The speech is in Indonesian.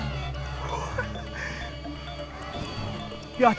sungguh aku sangat kagum dengan kehebatan kalian